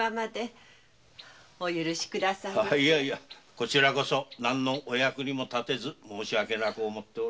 こちらこそ何のお役にも立てず申し訳なく思っておる。